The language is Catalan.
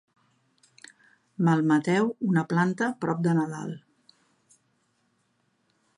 Malmeteu una planta prop de Nadal.